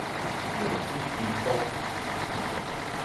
落水金剛